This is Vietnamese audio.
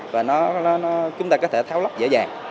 và nó nó nó chúng ta có thể tháo lắp dễ dàng